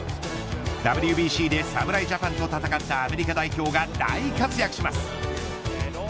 ＷＢＣで侍ジャパンと戦ったアメリカ代表が大活躍します。